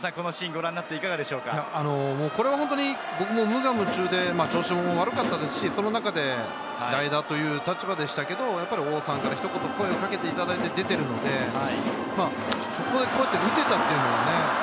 これは本当に僕も無我夢中でちょっと調子も悪かったんですけれども、その中で代打という立場でしたけれど、王さんから声をかけていただいて出ているので、打てたというのはね。